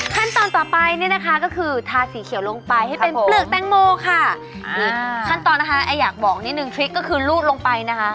ขั้นตอนต่อไปเนี่ยนะคะก็คือทาสีเขียวลงไปให้เป็นเปลือกแตงโมค่ะอีกขั้นตอนนะคะแออยากบอกนิดนึงทริคก็คือรูดลงไปนะคะ